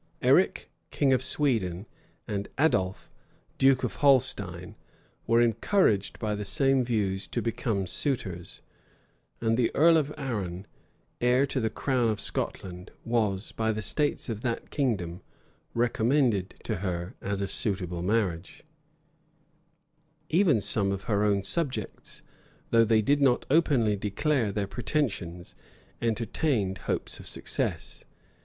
Eric, king of Sweden, and Adolph, duke of Holstein, were encouraged by the same views to become suitors: and the earl of Arran, heir to the crown of Scotland, was, by the states of that kingdom, recommended to her as a suitable marriage. * Haynes, vol. i. p. 233. Even some of her own subjects, though they did not openly declare their pretensions, entertained hopes of success.